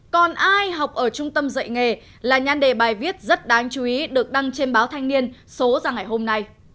còn ai học ở trung tâm dạy nghề là nhan đề bài viết rất đáng chú ý được đăng trên báo thanh niên số ra ngày hôm nay